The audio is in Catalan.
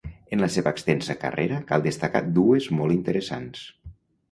En la seva extensa carrera cal destacar dues, molt interessants.